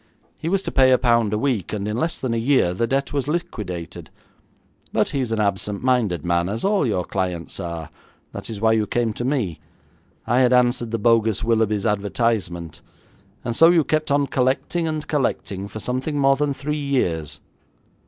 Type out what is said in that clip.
He was to pay a pound a week, and in less than a year the debt was liquidated. But he is an absent minded man, as all your clients are. That is why you came to me. I had answered the bogus Willoughby's advertisement. And so you kept on collecting and collecting for something more than three years.